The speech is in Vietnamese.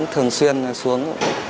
thường xuyên xuống